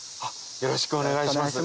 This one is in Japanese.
よろしくお願いします。